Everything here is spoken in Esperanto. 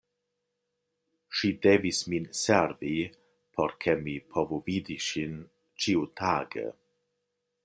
Ŝi devis min servi, por ke mi povu vidi ŝin ĉiutage.